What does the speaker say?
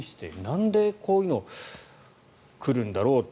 なんでこういうのが来るんだろうって